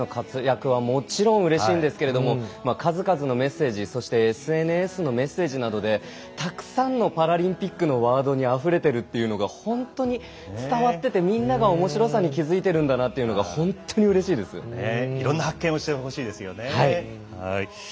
ここまで選手たちを選手たちの活躍はもちろんうれしいんですけれども数々のメッセージ、そしてＳＮＳのメッセージなどでたくさんのパラリンピックのワードにあふれているのが本当に伝わっていて皆さんがおもしろさに気づいているんだなというのがいろんな発見をしてほしいですよね。